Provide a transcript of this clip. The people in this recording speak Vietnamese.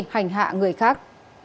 hành hạ người khác